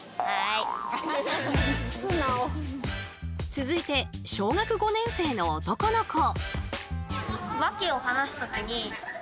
続いて小学５年生の男の子。